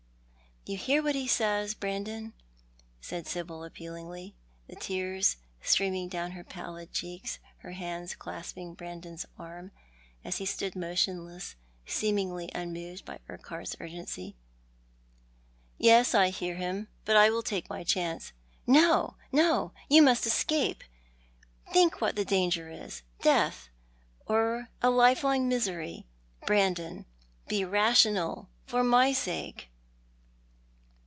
" You hear what he says, Brandon? " said Sibyl, appealingly, the tears streaming down her pallid cheeks, her hands clasping Brandon's arm, as he stood motionless, seemingly unmoved by Urquhart's urgency. " Yes, I hear him — but I will take my chance." " No, no, you must escape ; think what the danger is — death, or a lifelong misery. Brandon, be rational, for my sake